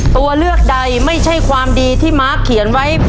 ตัวเลือกใดไม่ใช่ความดีที่มาร์คเขียนไว้